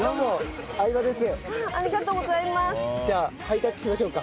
じゃあハイタッチしましょうか。